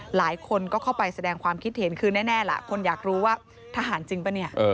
หลายคนก็เข้าไปแสดงความคิดเห็นคือแน่ล่ะคนอยากรู้ว่าทหารจริงป่ะเนี่ย